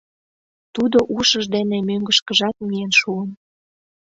Тудо ушыж дене мӧҥгышкыжат миен шуын.